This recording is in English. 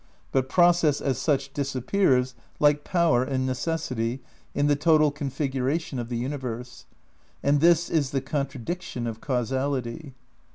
But process as such disappears, like power and necessity, in the total configuration of the universe. And this is the contradiction of causality.